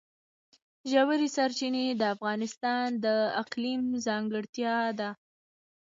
ژورې سرچینې د افغانستان د اقلیم ځانګړتیا ده.